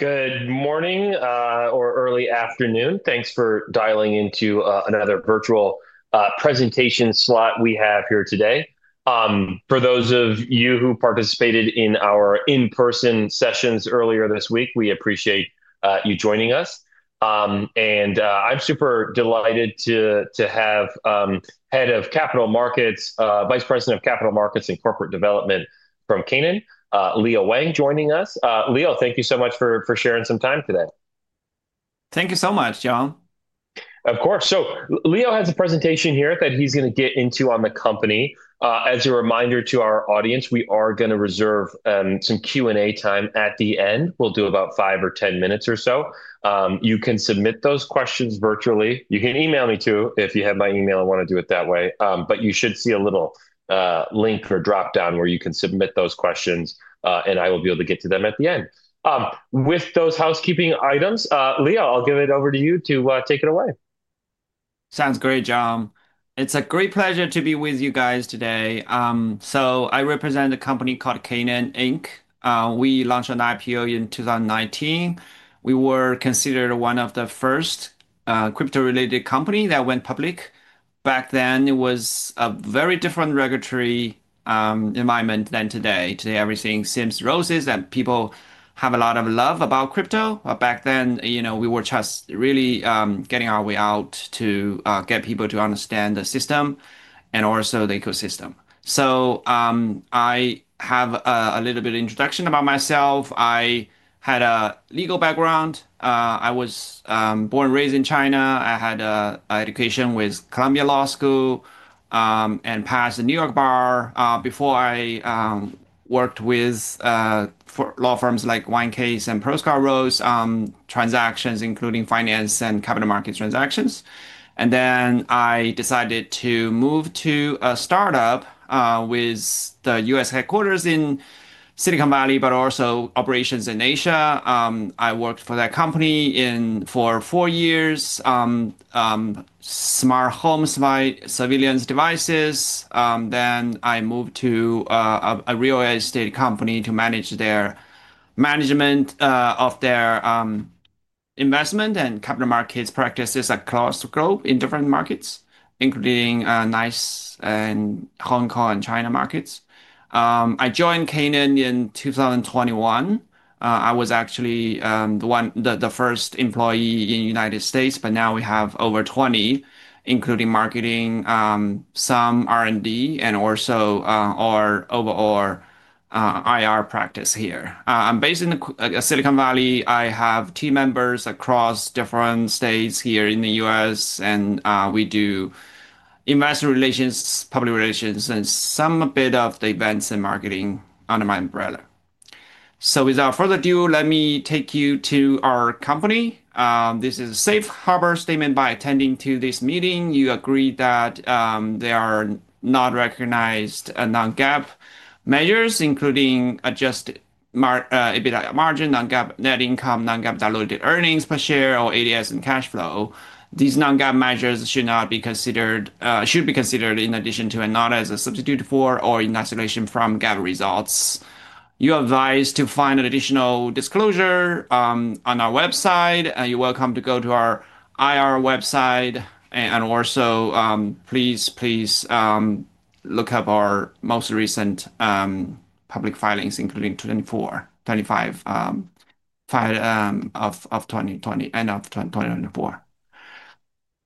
Good morning, or early afternoon. Thanks for dialing into another virtual presentation slot we have here today. For those of you who participated in our in-person sessions earlier this week, we appreciate you joining us. And I'm super delighted to have Head of Capital Markets, Vice President of Capital Markets and Corporate Development from Canaan, Leo Wang, joining us. Leo, thank you so much for sharing some time today. Thank you so much, John. Of course. So Leo has a presentation here that he's going to get into on the company. As a reminder to our audience, we are going to reserve some Q&A time at the end. We'll do about five or 10 minutes or so. You can submit those questions virtually. You can email me too if you have my email and want to do it that way. But you should see a little link or drop down where you can submit those questions, and I will be able to get to them at the end. With those housekeeping items, Leo, I'll give it over to you to take it away. Sounds great, John. It's a great pleasure to be with you guys today. So I represent a company called Canaan Inc. We launched an IPO in 2019. We were considered one of the first crypto-related companies that went public. Back then, it was a very different regulatory environment than today. Today, everything seems roses and people have a lot of love about crypto. But back then, we were just really getting our way out to get people to understand the system and also the ecosystem. So I have a little bit of introduction about myself. I had a legal background. I was born and raised in China. I had an education with Columbia Law School and passed the New York bar before I worked with law firms like White & Case and Proskauer Rose, transactions including finance and capital markets transactions. And then I decided to move to a startup with the U.S. headquarters in Silicon Valley, but also operations in Asia. I worked for that company for four years, smart home surveillance devices. Then I moved to a real estate company to manage their management of their investment and capital markets practices across the globe in different markets, including NYSE and Hong Kong and China markets. I joined Canaan in 2021. I was actually the first employee in the United States, but now we have over 20, including marketing, some R&D, and also our overall IR practice here. I'm based in Silicon Valley. I have team members across different states here in the U.S., and we do investor relations, public relations, and some bit of the events and marketing under my umbrella. So without further ado, let me take you to our company. This is a safe harbor statement. By attending to this meeting, you agree that there are not recognized non-GAAP measures, including adjusted margin, non-GAAP net income, non-GAAP diluted earnings per share, or ADS and cash flow. These non-GAAP measures should be considered in addition to and not as a substitute for or in isolation from GAAP results. You are advised to find an additional disclosure on our website. You're welcome to go to our IR website and also please look up our most recent public filings, including 2024, 2025, of 2020 and of 2024.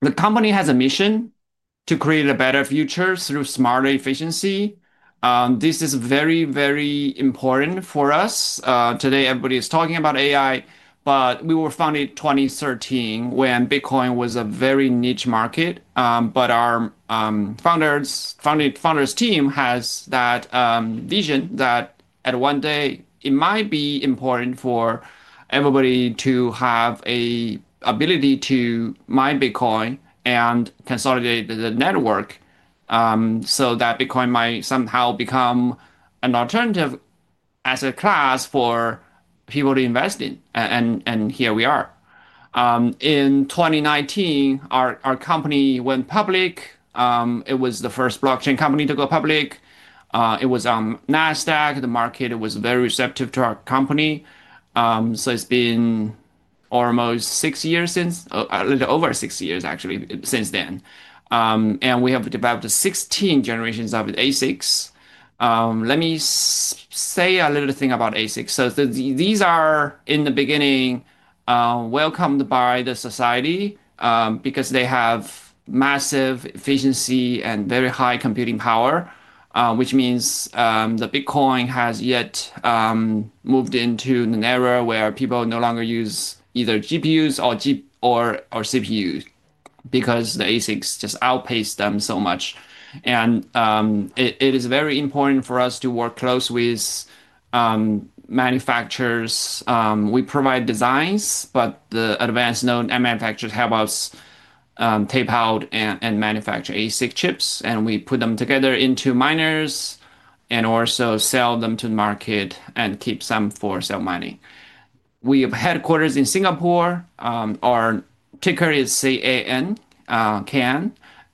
The company has a mission to create a better future through smarter efficiency. This is very, very important for us. Today, everybody is talking about AI, but we were founded in 2013 when Bitcoin was a very niche market. Our founders' team has that vision that at one day it might be important for everybody to have an ability to mine Bitcoin and consolidate the network so that Bitcoin might somehow become an alternative asset class for people to invest in. And here we are. In 2019, our company went public. It was the first blockchain company to go public. It was on Nasdaq. The market was very receptive to our company. So it's been almost six years since, a little over six years actually since then. And we have developed 16 generations of ASICs. Let me say a little thing about ASICs. So these are in the beginning welcomed by the society because they have massive efficiency and very high computing power, which means the Bitcoin has yet moved into an era where people no longer use either GPUs or CPUs because the ASICs just outpace them so much. And it is very important for us to work close with manufacturers. We provide designs, but the advanced known manufacturers help us tape out and manufacture ASIC chips, and we put them together into miners and also sell them to the market and keep some for self-mining. We have headquarters in Singapore. Our ticker is CAN,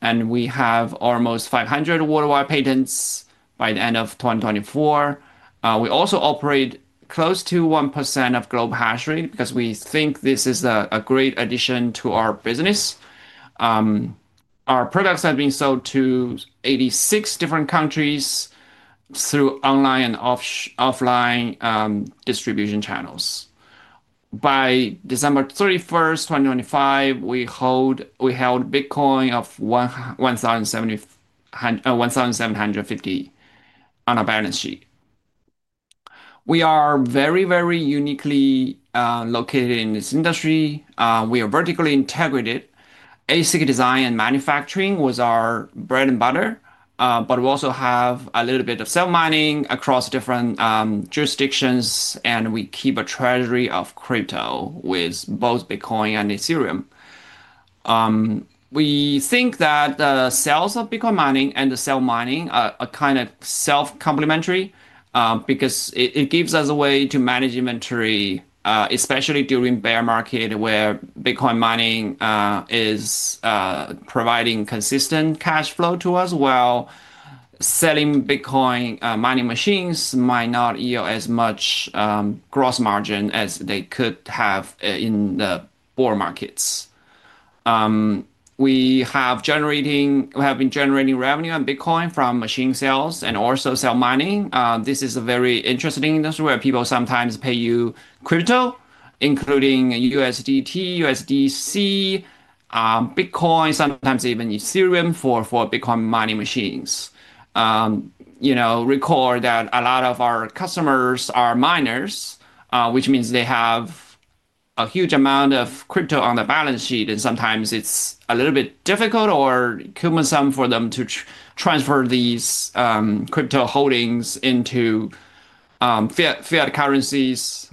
and we have almost 500 worldwide patents by the end of 2024. We also operate close to 1% of global hash rate because we think this is a great addition to our business. Our products have been sold to 86 different countries through online and offline distribution channels. By December 31st, 2025, we held 1,750 BTC on our balance sheet. We are very, very uniquely located in this industry. We are vertically integrated. ASIC design and manufacturing was our bread and butter, but we also have a little bit of sale mining across different jurisdictions, and we keep a treasury of crypto with both Bitcoin and Ethereum. We think that the sales of Bitcoin mining and the sale mining are kind of self-complementary because it gives us a way to manage inventory, especially during a bear market where Bitcoin mining is providing consistent cash flow to us while selling Bitcoin mining machines might not yield as much gross margin as they could have in the bull markets. We have been generating revenue on Bitcoin from machine sales and also sale mining. This is a very interesting industry where people sometimes pay you crypto, including USDT, USDC, Bitcoin, sometimes even Ethereum for Bitcoin mining machines. You know, recognize that a lot of our customers are miners, which means they have a huge amount of crypto on the balance sheet, and sometimes it's a little bit difficult or cumbersome for them to transfer these crypto holdings into fiat currencies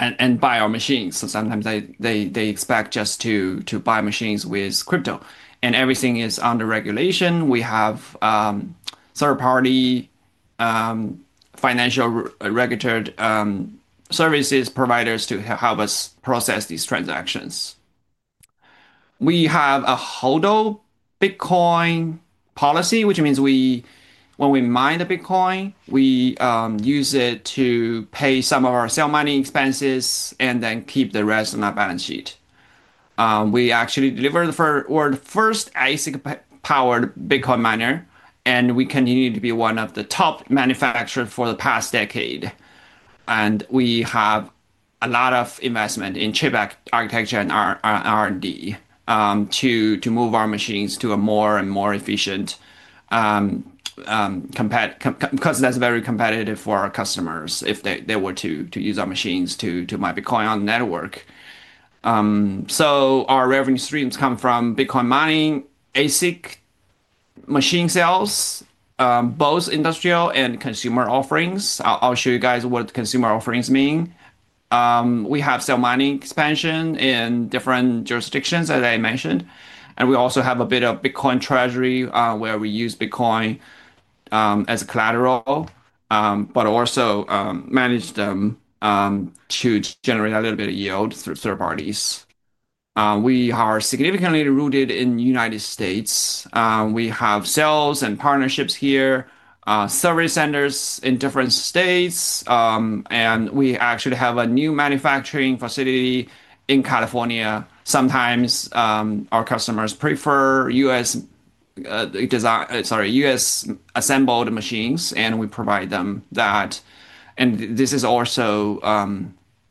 and buy our machines, so sometimes they expect just to buy machines with crypto, and everything is under regulation. We have third-party financial regulatory services providers to help us process these transactions. We have a HODL Bitcoin policy, which means when we mine the Bitcoin, we use it to pay some of our self-mining expenses and then keep the rest on our balance sheet. We actually delivered the first ASIC-powered Bitcoin miner, and we continue to be one of the top manufacturers for the past decade, and we have a lot of investment in chip architecture and R&D to move our machines to a more and more efficient because that's very competitive for our customers if they were to use our machines to mine Bitcoin on the network, so our revenue streams come from Bitcoin mining, ASIC machine sales, both industrial and consumer offerings. I'll show you guys what consumer offerings mean. We have sale mining expansion in different jurisdictions as I mentioned, and we also have a bit of Bitcoin treasury where we use Bitcoin as collateral, but also manage them to generate a little bit of yield through third parties. We are significantly rooted in the United States. We have sales and partnerships here, service centers in different states, and we actually have a new manufacturing facility in California. Sometimes our customers prefer U.S. assembled machines, and we provide them that. And this is also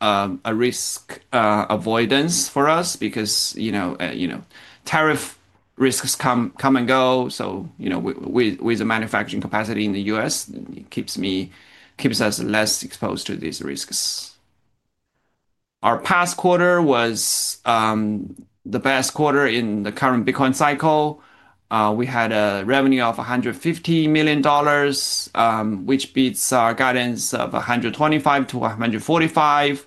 a risk avoidance for us because tariff risks come and go. So with the manufacturing capacity in the U.S., it keeps us less exposed to these risks. Our past quarter was the best quarter in the current Bitcoin cycle. We had a revenue of $150 million, which beats our guidance of $125 million-$145 million.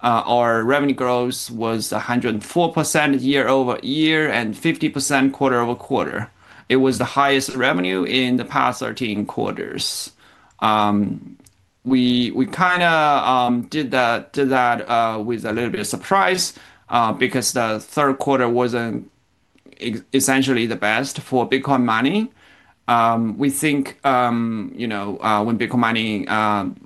Our revenue growth was 104% year-over-year and 50% quarter-over-quarter. It was the highest revenue in the past 13 quarters. We kind of did that with a little bit of surprise because the third quarter wasn't essentially the best for Bitcoin mining. We think when Bitcoin mining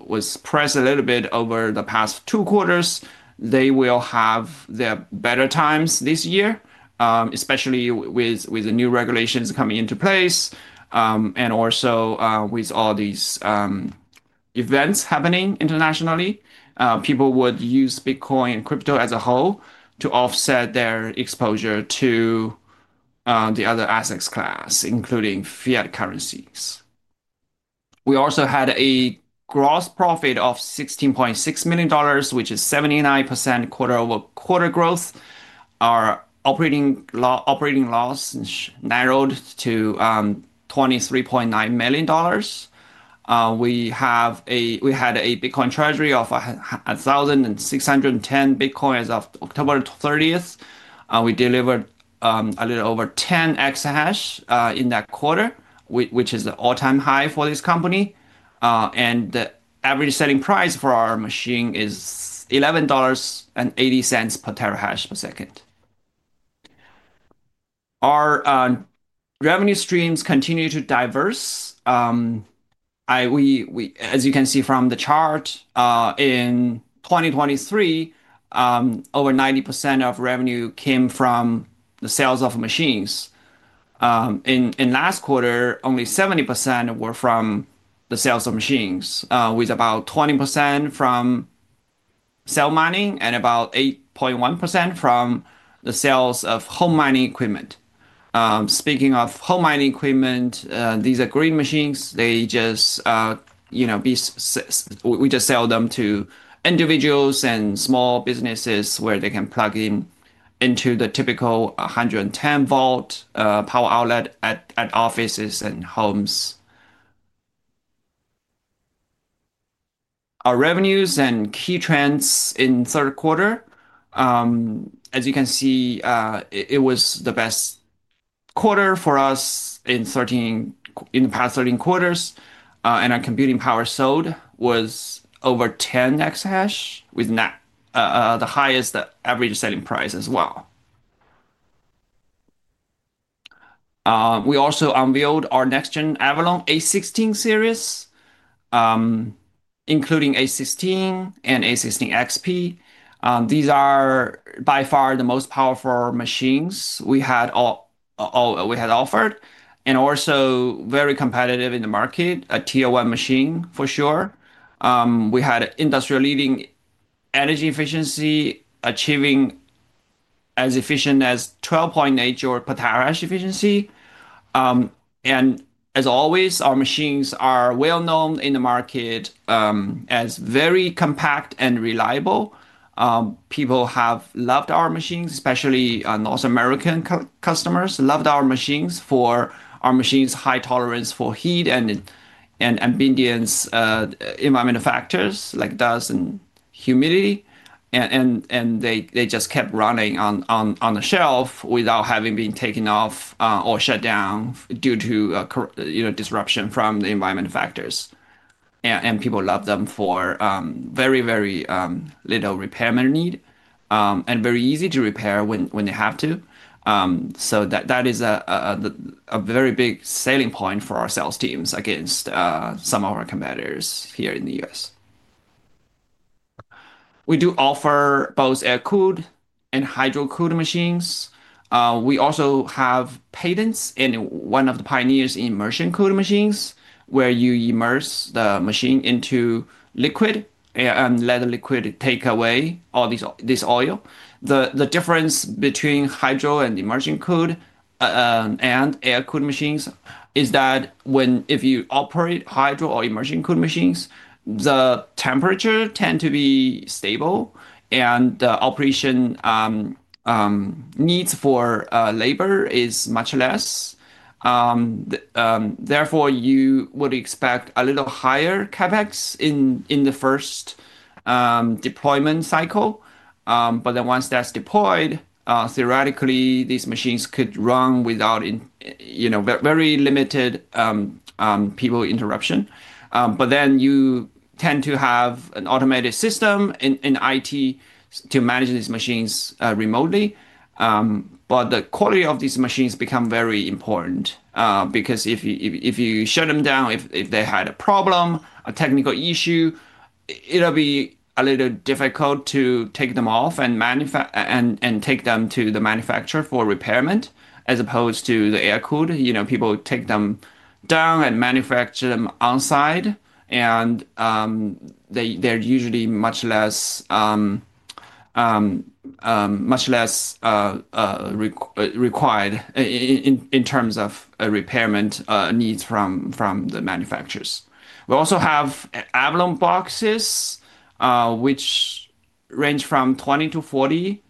was pressed a little bit over the past two quarters, they will have their better times this year, especially with the new regulations coming into place. And also with all these events happening internationally, people would use Bitcoin and crypto as a whole to offset their exposure to the other asset classes, including fiat currencies. We also had a gross profit of $16.6 million, which is 79% quarter-over-quarter growth. Our operating loss narrowed to $23.9 million. We had a Bitcoin treasury of 1,610 Bitcoins as of October 30th. We delivered a little over 10 exahash in that quarter, which is an all-time high for this company. And the average selling price for our machine is $11.80 per terahash per second. Our revenue streams continue to diversify. As you can see from the chart, in 2023, over 90% of revenue came from the sales of machines. In last quarter, only 70% were from the sales of machines, with about 20% from self-mining and about 8.1% from the sales of home mining equipment. Speaking of home mining equipment, these are green machines. We just sell them to individuals and small businesses where they can plug into the typical 110-volt power outlet at offices and homes. Our revenues and key trends in third quarter, as you can see, it was the best quarter for us in the past 13 quarters, and our computing power sold was over 10 exahash, with the highest average selling price as well. We also unveiled our next-gen Avalon A16 series, including A16 and A16 XP. These are by far the most powerful machines we had offered and also very competitive in the market, a Tier 1 machine for sure. We had an industry-leading energy efficiency achieving as efficient as 12.8 joules per terahash efficiency. And as always, our machines are well known in the market as very compact and reliable. People have loved our machines, especially North American customers loved our machines for our machines' high tolerance for heat and ambient environmental factors like dust and humidity. And they just kept running without having been taken off the shelf or shut down due to disruption from the environmental factors. And people love them for very, very little maintenance need and very easy to repair when they have to. So that is a very big selling point for our sales teams against some of our competitors here in the U.S. We do offer both air-cooled and hydro-cooled machines. We also have patents in one of the pioneers' immersion-cooled machines where you immerse the machine into liquid and let the liquid take away all this oil. The difference between hydro and immersion-cooled and air-cooled machines is that if you operate hydro or immersion-cooled machines, the temperature tends to be stable and the operation needs for labor is much less. Therefore, you would expect a little higher CapEx in the first deployment cycle. But then once that's deployed, theoretically, these machines could run without very limited people interruption. But then you tend to have an automated system in IT to manage these machines remotely. But the quality of these machines becomes very important because if you shut them down, if they had a problem, a technical issue, it'll be a little difficult to take them off and take them to the manufacturer for repair as opposed to the air-cooled. People take them down and service them on site, and they're usually much less required in terms of repair needs from the manufacturers. We also have Avalon boxes, which range from 20 to 40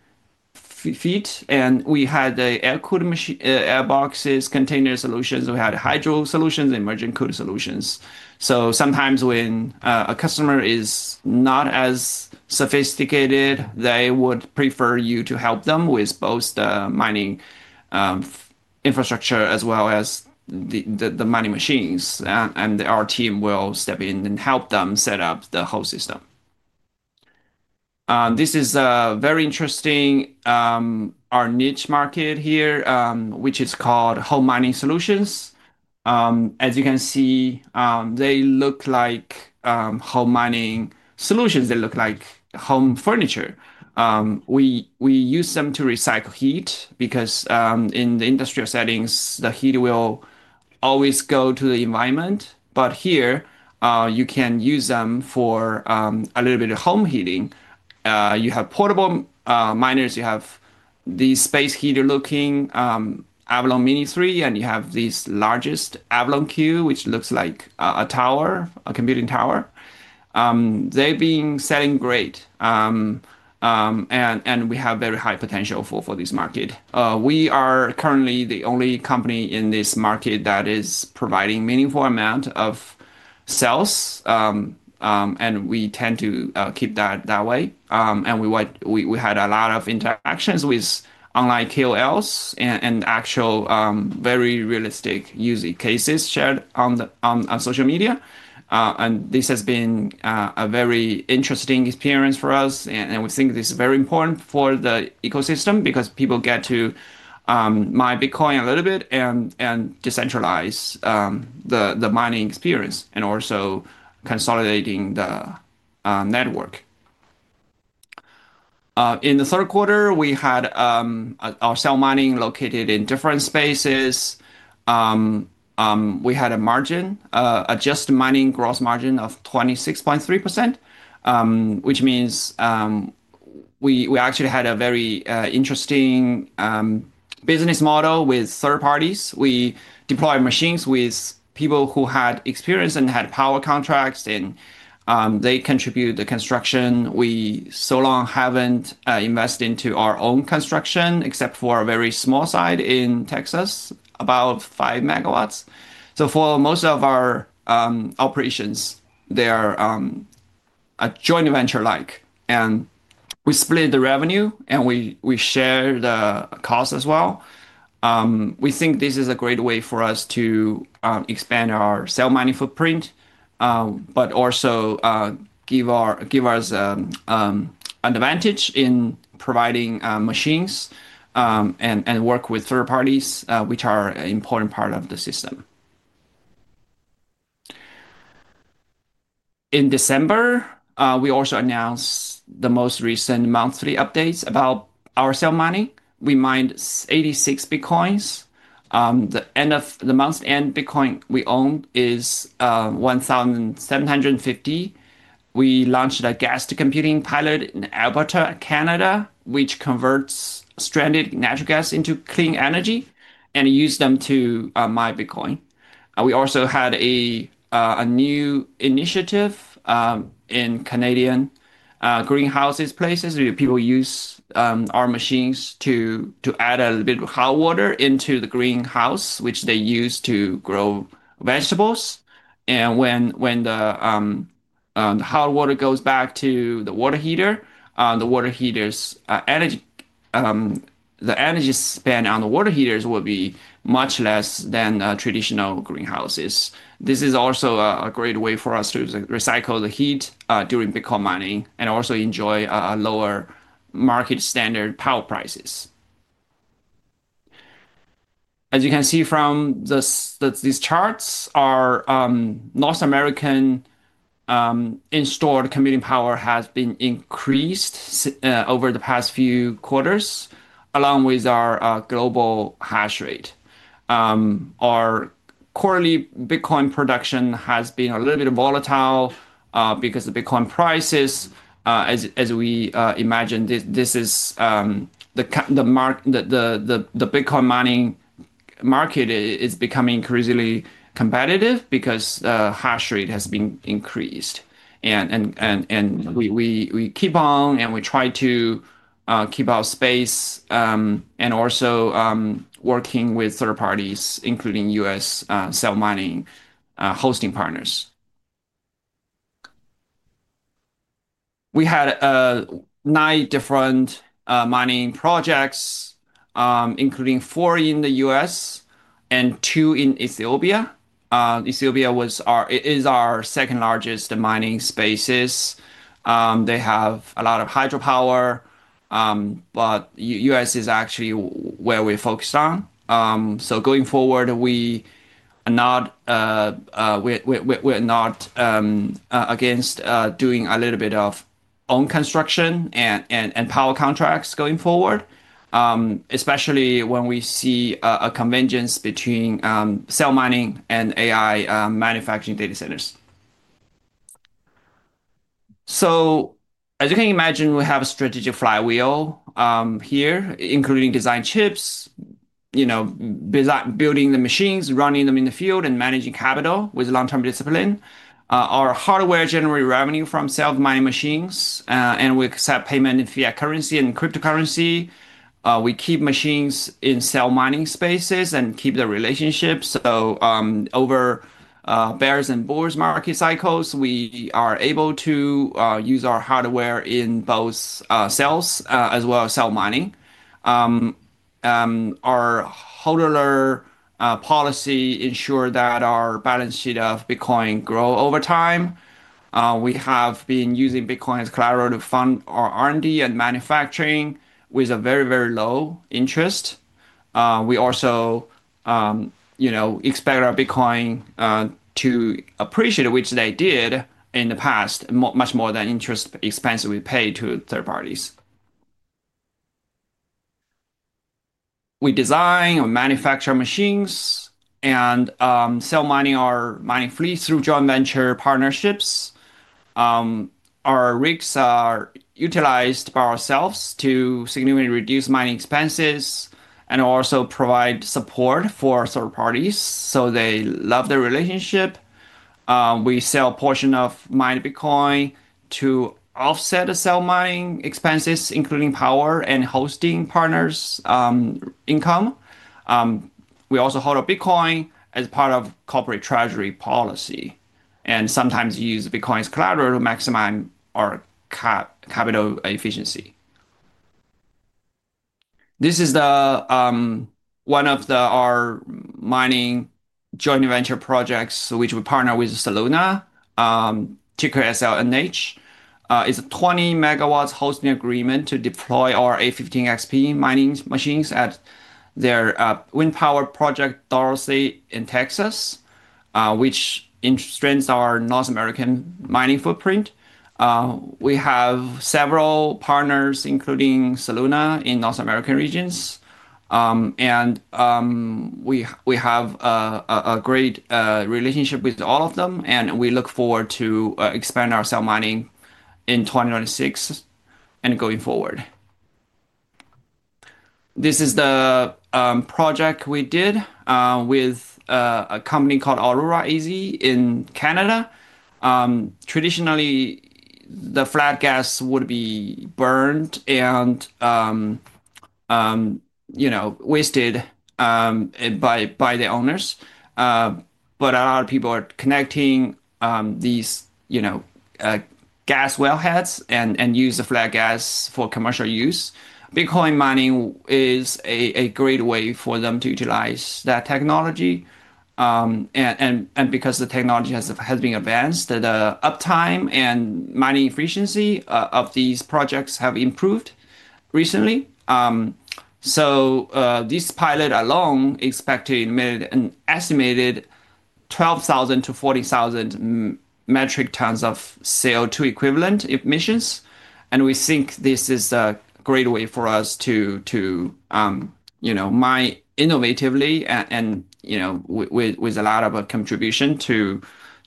feet. And we had air-cooled air boxes, container solutions. We had hydro-cooled solutions and immersion-cooled solutions. So sometimes when a customer is not as sophisticated, they would prefer you to help them with both the mining infrastructure as well as the mining machines. And our team will step in and help them set up the whole system. This is a very interesting niche market here, which is called home mining solutions. As you can see, they look like home mining solutions. They look like home furniture. We use them to recycle heat because in the industrial settings, the heat will always go to the environment. But here, you can use them for a little bit of home heating. You have portable miners. You have these space heater-looking Avalon Mini 3, and you have this largest Avalon Q, which looks like a tower, a computing tower. They've been selling great, and we have very high potential for this market. We are currently the only company in this market that is providing a meaningful amount of sales, and we tend to keep that way. And we had a lot of interactions with online KOLs and actual very realistic user cases shared on social media. This has been a very interesting experience for us, and we think this is very important for the ecosystem because people get to mine Bitcoin a little bit and decentralize the mining experience and also consolidating the network. In the third quarter, we had our self-mining located in different spaces. We had a margin, a self-mining gross margin of 26.3%, which means we actually had a very interesting business model with third parties. We deployed machines with people who had experience and had power contracts, and they contribute the construction. We so long haven't invested into our own construction except for a very small site in Texas, about 5 megawatts. So for most of our operations, they are a joint venture-like. And we split the revenue, and we share the cost as well. We think this is a great way for us to expand our self-mining footprint, but also give us an advantage in providing machines and work with third parties, which are an important part of the system. In December, we also announced the most recent monthly updates about our self-mining. We mined 86 Bitcoins. The month-end Bitcoin we owned is 1,750. We launched a gas-to-computing pilot in Alberta, Canada, which converts stranded natural gas into clean energy and used them to mine Bitcoin. We also had a new initiative in Canadian greenhouses, places where people use our machines to add a little bit of hot water into the greenhouse, which they use to grow vegetables, and when the hot water goes back to the water heater, the energy spent on the water heaters will be much less than traditional greenhouses. This is also a great way for us to recycle the heat during Bitcoin mining and also enjoy lower market standard power prices. As you can see from these charts, our North American installed computing power has been increased over the past few quarters along with our global hash rate. Our quarterly Bitcoin production has been a little bit volatile because of Bitcoin prices. As we imagine, this is the Bitcoin mining market is becoming increasingly competitive because the hash rate has been increased, and we keep on and we try to keep our space and also working with third parties, including U.S. self-mining hosting partners. We had nine different mining projects, including four in the U.S. and two in Ethiopia. Ethiopia is our second largest mining space. They have a lot of hydropower, but the U.S. is actually where we focus on. Going forward, we are not against doing a little bit of our own construction and power contracts going forward, especially when we see a convergence between self-mining and AI manufacturing data centers. As you can imagine, we have a strategic flywheel here, including design chips, building the machines, running them in the field, and managing capital with long-term discipline. Our hardware generates revenue from self-mining machines, and we accept payment in fiat currency and cryptocurrency. We keep machines in self-mining spaces and keep the relationship. Over bear and bull market cycles, we are able to use our hardware in both sales as well as self-mining. Our HODL policy ensures that our balance sheet of Bitcoin grows over time. We have been using Bitcoin as collateral for R&D and manufacturing with a very, very low interest. We also expect our Bitcoin to appreciate, which they did in the past, much more than the interest expense we pay to third parties. We design or manufacture machines and sell mining or mining fleets through joint venture partnerships. Our rigs are utilized by ourselves to significantly reduce mining expenses and also provide support for third parties. So they love the relationship. We sell a portion of mined Bitcoin to offset the self-mining expenses, including power and hosting partners' income. We also hold Bitcoin as part of corporate treasury policy and sometimes use Bitcoin as a collateral to maximize our capital efficiency. This is one of our mining joint venture projects which we partner with Soluna, SLNH. It's a 20-megawatt hosting agreement to deploy our A15 XP mining machines at their wind power project, Dorothy, in Texas, which strengthens our North American mining footprint. We have several partners, including Soluna in North American regions. And we have a great relationship with all of them, and we look forward to expanding our sale mining in 2026 and going forward. This is the project we did with a company called Aurora AZ in Canada. Traditionally, the flare gas would be burned and wasted by the owners. But a lot of people are connecting these gas wellheads and use the flare gas for commercial use. Bitcoin mining is a great way for them to utilize that technology. And because the technology has been advanced, the uptime and mining efficiency of these projects have improved recently. So this pilot alone is expected to emit an estimated 12,000-40,000 metric tons of CO2 equivalent emissions. And we think this is a great way for us to mine innovatively and with a lot of contribution to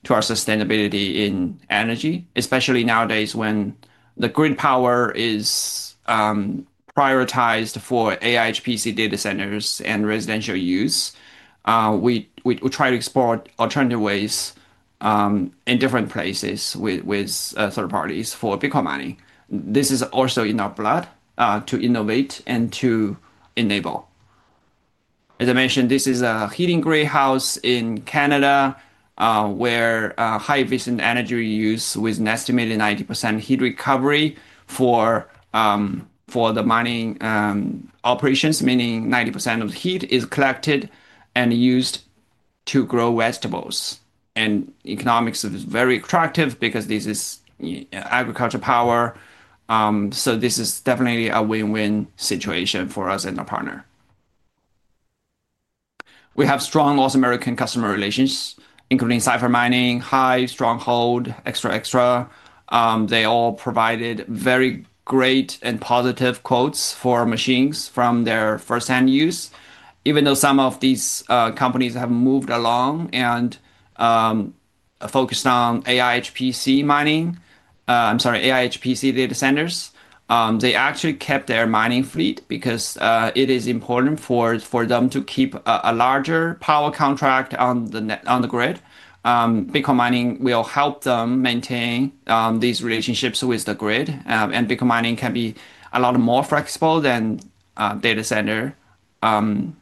our sustainability in energy, especially nowadays when the grid power is prioritized for AI HPC data centers and residential use. We try to explore alternative ways in different places with third parties for Bitcoin mining. This is also in our blood to innovate and to enable. As I mentioned, this is a heating greenhouse in Canada where high efficient energy use with an estimated 90% heat recovery for the mining operations, meaning 90% of the heat is collected and used to grow vegetables. And economics is very attractive because this is agriculture power. So this is definitely a win-win situation for us and our partner. We have strong North American customer relations, including Cipher Mining, Hive, Stronghold, XtraXtra. They all provided very great and positive quotes for machines from their firsthand use. Even though some of these companies have moved along and focused on AI HPC mining I'm sorry, AI HPC data centers, they actually kept their mining fleet because it is important for them to keep a larger power contract on the grid. Bitcoin mining will help them maintain these relationships with the grid. And Bitcoin mining can be a lot more flexible than data center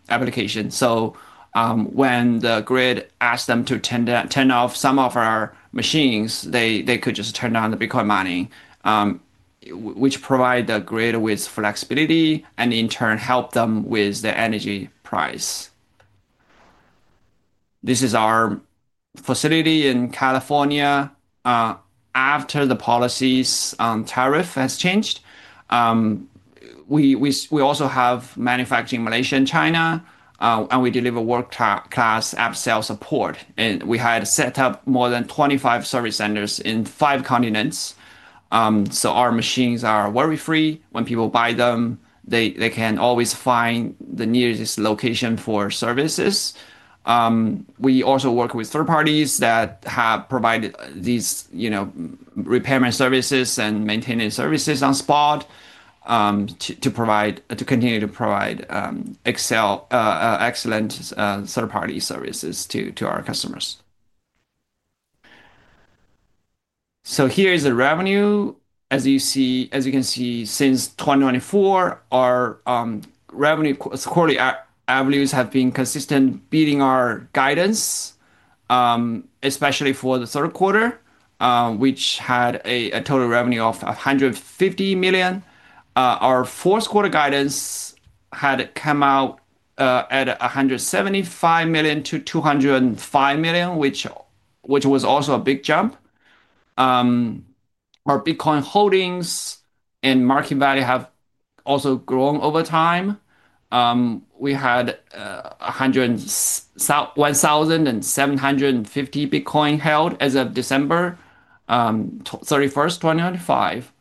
applications. So when the grid asks them to turn off some of our machines, they could just turn on the Bitcoin mining, which provides the grid with flexibility and, in turn, helps them with the energy price. This is our facility in California. After the policies on tariff has changed, we also have manufacturing in Malaysia and China, and we deliver world-class after-sale support. We had set up more than 25 service centers in five continents. So our machines are worry-free. When people buy them, they can always find the nearest location for services. We also work with third parties that have provided these replacement services and maintenance services on-site to continue to provide excellent third-party services to our customers. So here is the revenue. As you can see, since 2024, our revenue quarterly revenues have been consistent, beating our guidance, especially for the third quarter, which had a total revenue of $150 million. Our fourth quarter guidance had come out at $175 million-$205 million, which was also a big jump. Our Bitcoin holdings and market value have also grown over time. We had 1,750 Bitcoin held as of December 31st, 2025.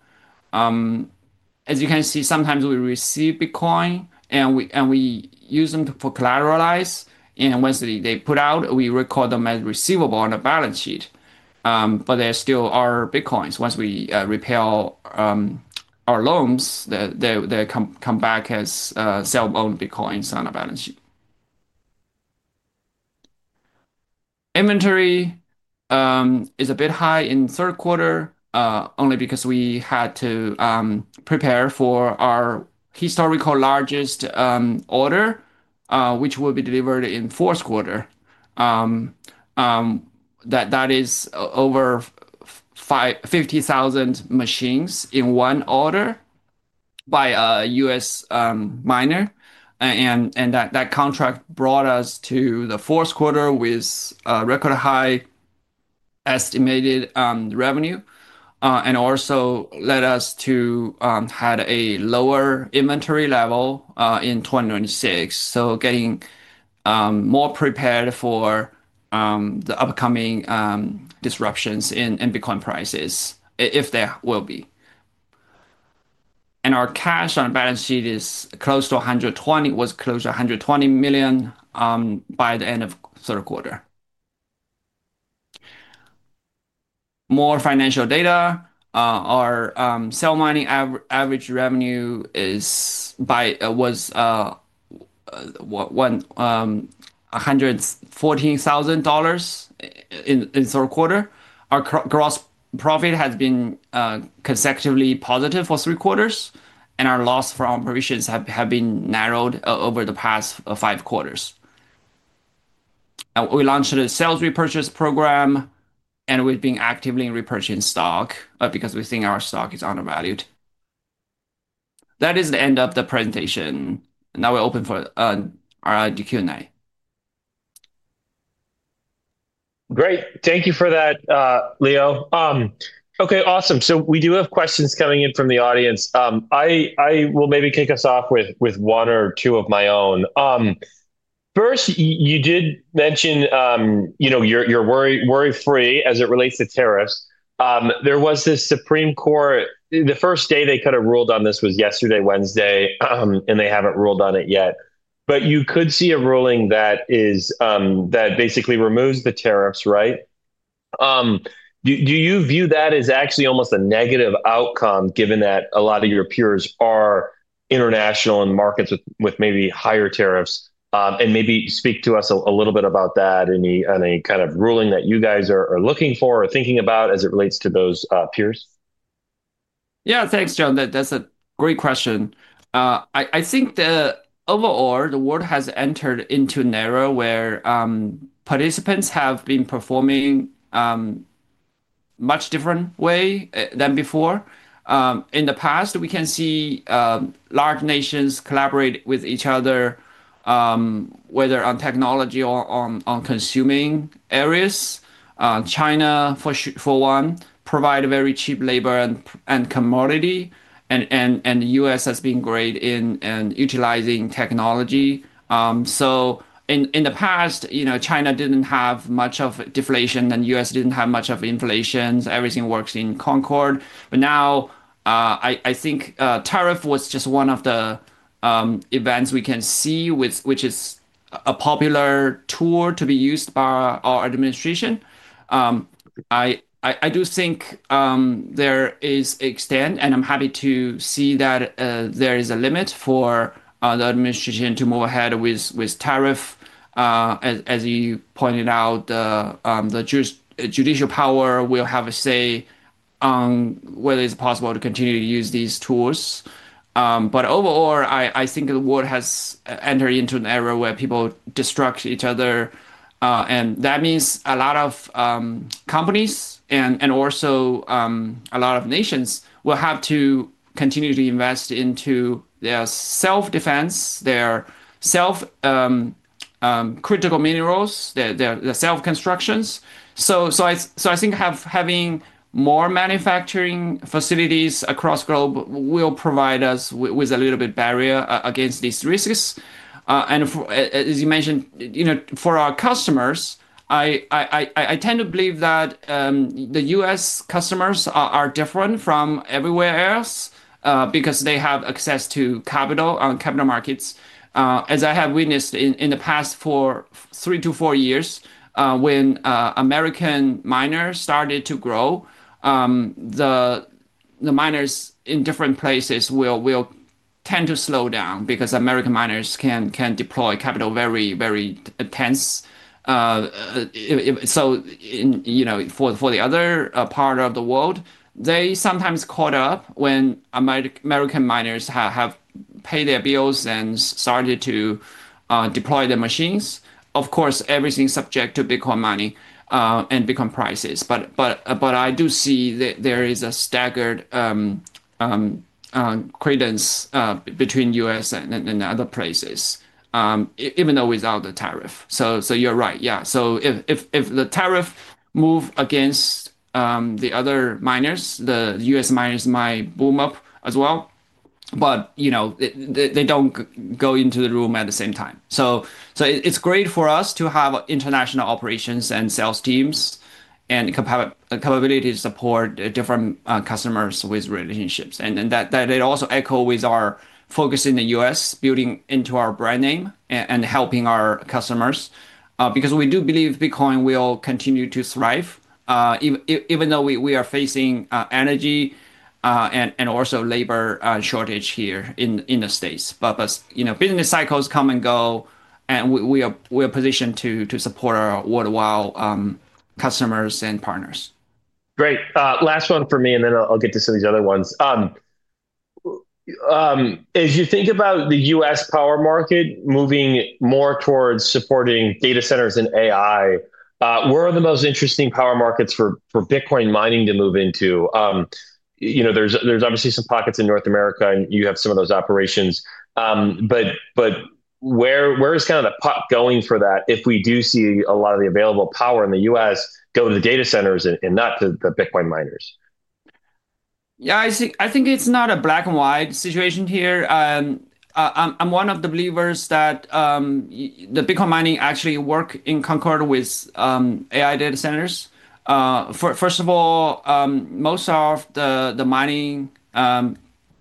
As you can see, sometimes we receive Bitcoin, and we use them for collateralize. And once they put out, we record them as receivable on the balance sheet. But they're still our Bitcoins. Once we repay our loans, they come back as self-owned Bitcoins on our balance sheet. Inventory is a bit high in the third quarter only because we had to prepare for our historical largest order, which will be delivered in the fourth quarter. That is over 50,000 machines in one order by a U.S. miner. And that contract brought us to the fourth quarter with a record high estimated revenue and also led us to have a lower inventory level in 2026. So getting more prepared for the upcoming disruptions in Bitcoin prices, if there will be. And our cash on the balance sheet is close to 120, was close to $120 million by the end of the third quarter. More financial data. Our self-mining average revenue was $114,000 in the third quarter. Our gross profit has been consecutively positive for three quarters, and our loss from operations have been narrowed over the past five quarters. We launched a share repurchase program, and we've been actively repurchasing stock because we think our stock is undervalued. That is the end of the presentation. Now we're open for our Q&A. Great. Thank you for that, Leo. Okay, awesome. So we do have questions coming in from the audience. I will maybe kick us off with one or two of my own. First, you did mention you're worry-free as it relates to tariffs. There was this Supreme Court. The first day they could have ruled on this was yesterday, Wednesday, and they haven't ruled on it yet. But you could see a ruling that basically removes the tariffs, right? Do you view that as actually almost a negative outcome given that a lot of your peers are international in markets with maybe higher tariffs? And maybe speak to us a little bit about that and any kind of ruling that you guys are looking for or thinking about as it relates to those peers. Yeah, thanks, John. That's a great question. I think that overall, the world has entered into an era where participants have been performing in a much different way than before. In the past, we can see large nations collaborate with each other, whether on technology or on consuming areas. China, for one, provides very cheap labor and commodity. And the U.S. has been great in utilizing technology. So in the past, China didn't have much of deflation, and the U.S. didn't have much of inflation. Everything works in concord. But now, I think tariff was just one of the events we can see, which is a popular tool to be used by our administration. I do think there is extent, and I'm happy to see that there is a limit for the administration to move ahead with tariff. As you pointed out, the judicial power will have a say on whether it's possible to continue to use these tools. But overall, I think the world has entered into an era where people destroy each other. And that means a lot of companies and also a lot of nations will have to continue to invest into their self-defense, their self-critical minerals, their self-constructions. So I think having more manufacturing facilities across the globe will provide us with a little bit of a barrier against these risks. And as you mentioned, for our customers, I tend to believe that the U.S. customers are different from everywhere else because they have access to capital on capital markets. As I have witnessed in the past for three to four years, when American miners started to grow, the miners in different places will tend to slow down because American miners can deploy capital very, very intense. So for the other part of the world, they sometimes caught up when American miners have paid their bills and started to deploy their machines. Of course, everything's subject to Bitcoin mining and Bitcoin prices. But I do see that there is a staggered cadence between the U.S. and other places, even though without the tariff. So you're right, yeah. So if the tariff moves against the other miners, the U.S. miners might boom up as well. But they don't go into the room at the same time. So it's great for us to have international operations and sales teams and capability to support different customers with relationships. And that also echoes with our focus in the U.S., building into our brand name and helping our customers because we do believe Bitcoin will continue to thrive, even though we are facing energy and also labor shortage here in the States. But business cycles come and go, and we are positioned to support our worldwide customers and partners. Great. Last one for me, and then I'll get to some of these other ones. As you think about the U.S. power market moving more towards supporting data centers and AI, where are the most interesting power markets for Bitcoin mining to move into? There's obviously some pockets in North America, and you have some of those operations. But where is kind of the puck going for that if we do see a lot of the available power in the U.S. go to the data centers and not to the Bitcoin miners? Yeah, I think it's not a black-and-white situation here. I'm one of the believers that the Bitcoin mining actually works in concert with AI data centers. First of all, most of the mining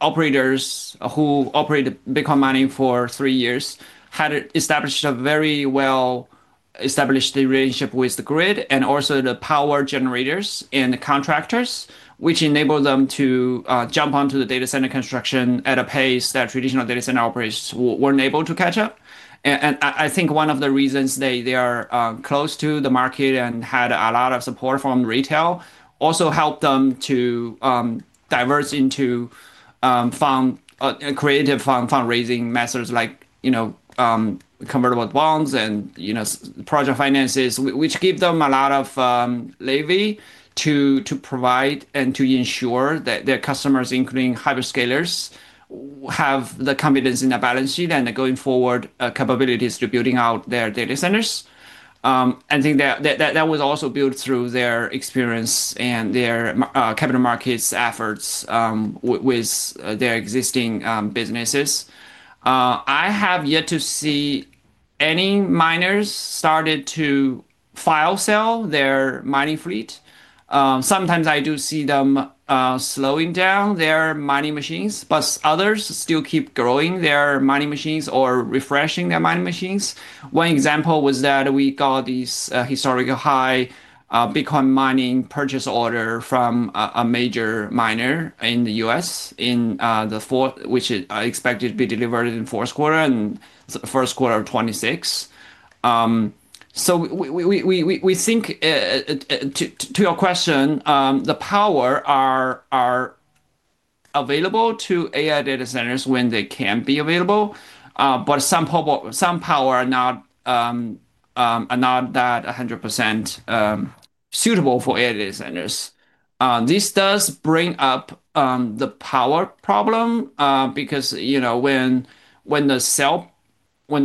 operators who operated Bitcoin mining for three years had established a very well-established relationship with the grid and also the power generators and the contractors, which enabled them to jump onto the data center construction at a pace that traditional data center operators weren't able to catch up. I think one of the reasons they are close to the market and had a lot of support from retail also helped them to diversify into creative fundraising methods like convertible bonds and project finances, which give them a lot of leverage to provide and to ensure that their customers, including hyperscalers, have the confidence in their balance sheet and, going forward, capabilities to building out their data centers. I think that was also built through their experience and their capital markets efforts with their existing businesses. I have yet to see any miners start to fire sell their mining fleet. Sometimes I do see them slowing down their mining machines, but others still keep growing their mining machines or refreshing their mining machines. One example was that we got this historical high Bitcoin mining purchase order from a major miner in the U.S., which is expected to be delivered in the fourth quarter and the first quarter of 2026. So we think, to your question, the powers are available to AI data centers when they can be available, but some powers are not that 100% suitable for AI data centers. This does bring up the power problem because when the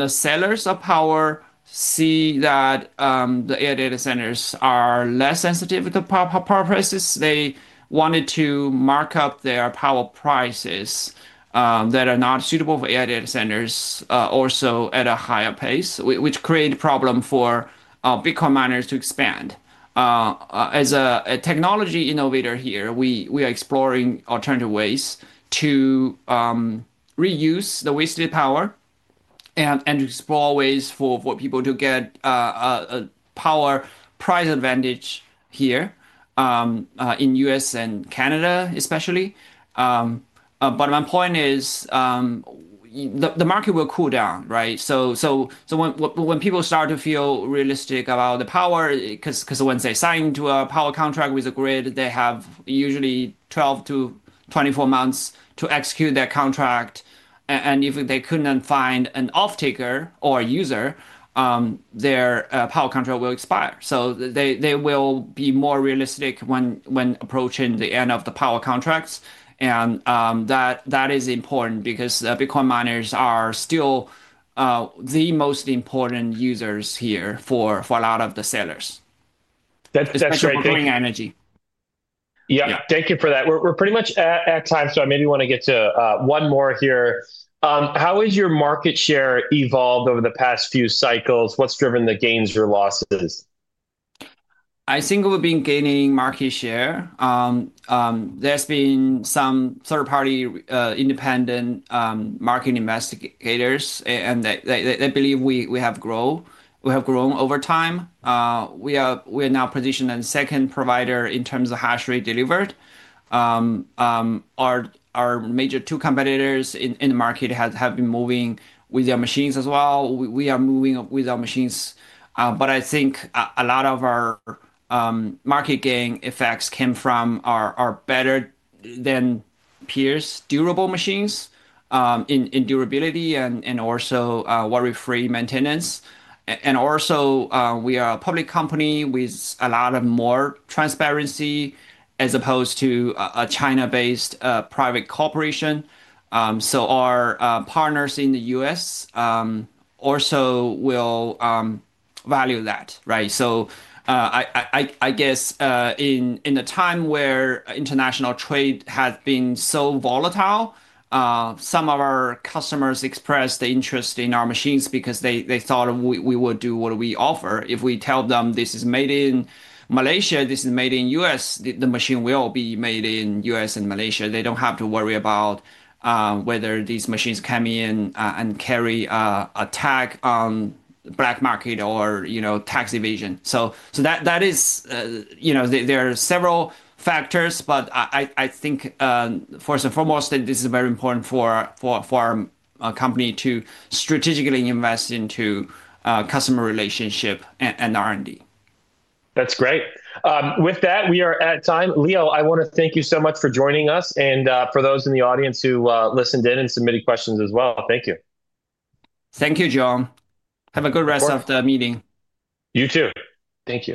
sellers of power see that the AI data centers are less sensitive to power prices, they wanted to mark up their power prices that are not suitable for AI data centers also at a higher pace, which creates a problem for Bitcoin miners to expand. As a technology innovator here, we are exploring alternative ways to reuse the wasted power and explore ways for people to get a power price advantage here in the U.S. and Canada, especially. But my point is the market will cool down, right? So when people start to feel realistic about the power, because once they sign to a power contract with the grid, they have usually 12-24 months to execute their contract. And if they couldn't find an off-taker or user, their power contract will expire. So they will be more realistic when approaching the end of the power contracts. And that is important because Bitcoin miners are still the most important users here for a lot of the sellers. They're growing energy. Yeah, thank you for that. We're pretty much at time, so I maybe want to get to one more here. How has your market share evolved over the past few cycles? What's driven the gains or losses? I think we've been gaining market share. There's been some third-party independent market investigators, and they believe we have grown over time. We are now positioned as a second provider in terms of hash rate delivered. Our major two competitors in the market have been moving with their machines as well. We are moving with our machines, but I think a lot of our market gain effects came from our better-than-peers durable machines in durability and also worry-free maintenance, and also we are a public company with a lot of more transparency as opposed to a China-based private corporation. So our partners in the U.S. also will value that, right? So I guess in a time where international trade has been so volatile, some of our customers expressed interest in our machines because they thought we would do what we offer. If we tell them this is made in Malaysia, this is made in the U.S., the machine will be made in the U.S. and Malaysia. They don't have to worry about whether these machines come in and carry a tariff on the black market or tax evasion. So there are several factors, but I think, first and foremost, that this is very important for our company to strategically invest into customer relationship and R&D. That's great. With that, we are at time. Leo, I want to thank you so much for joining us and for those in the audience who listened in and submitted questions as well. Thank you. Thank you, John. Have a good rest of the meeting. You too. Thank you.